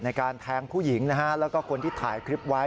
ในการแทงผู้หญิงแล้วก็คนที่ถ่ายคลิปไว้